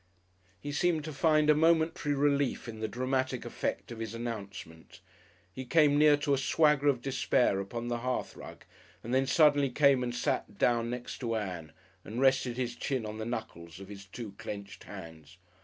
He seemed to find a momentary relief in the dramatic effect of his announcement. He came near to a swagger of despair upon the hearthrug, and then suddenly came and sat down next to Ann and rested his chin on the knuckles of his two clenched hands.